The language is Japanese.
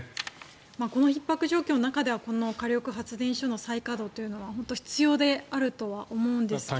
このひっ迫状況の中ではこの火力発電所の再稼働は本当に必要ではあると思うんですが。